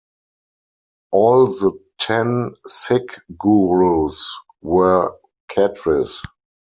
All the ten Sikh Gurus were Khatris.